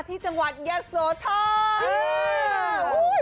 ที่จังหวัดเชียสสวท้อน